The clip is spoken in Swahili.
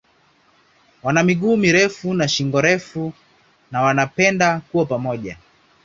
Wana miguu mirefu na shingo refu na wanapenda kuwa pamoja.